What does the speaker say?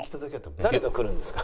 「誰が来るんですか？」。